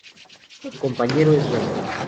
Su compañero es Ren.